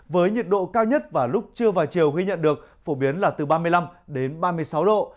với nhiệt độ cao nhất vào lúc trưa và chiều ghi nhận được phổ biến là từ ba mươi năm đến ba mươi sáu độ